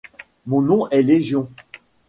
Mon nom est Légion